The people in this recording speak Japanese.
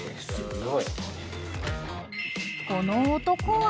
［この男は］